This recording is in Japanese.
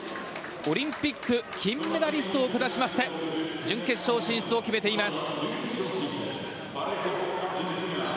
オリンピック金メダリストを下しまして準決勝進出を決めています。